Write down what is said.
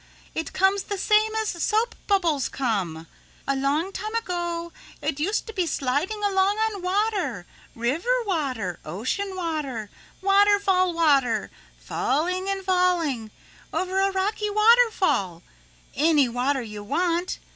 It comes the same as soap bubbles come. A long time ago it used to be sliding along on water, river water, ocean water, waterfall water, falling and falling over a rocky waterfall, any water you want.